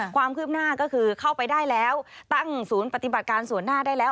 ความคืบหน้าก็คือเข้าไปได้แล้วตั้งศูนย์ปฏิบัติการส่วนหน้าได้แล้ว